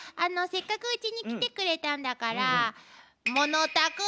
せっかくうちに来てくれたんだからものたく？